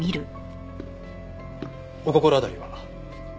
お心当たりは？